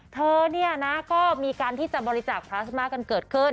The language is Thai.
เธอเนี่ยนะก็มีการที่จะบริจาคพลาสมากันเกิดขึ้น